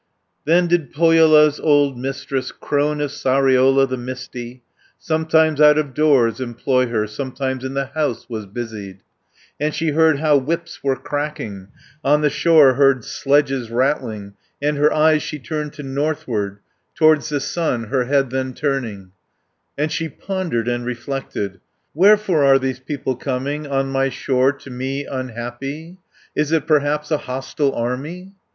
Then did Pohjola's old Mistress, Crone of Sariola the misty, Sometimes out of doors employ her, Sometimes in the house was busied; And she heard how whips were cracking, On the shore heard sledges rattling, And her eyes she turned to northward, Towards the sun her head then turning, And she pondered and reflected, "Wherefore are these people coming 10 On my shore, to me unhappy? Is it perhaps a hostile army?"